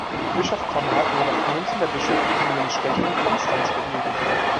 Bischof Konrad wurde auf Münzen der bischöflichen Münzstätte in Konstanz verewigt.